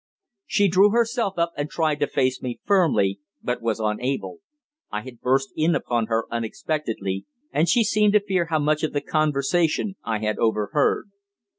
She drew herself up and tried to face me firmly, but was unable. I had burst in upon her unexpectedly, and she seemed to fear how much of the conversation I had overheard.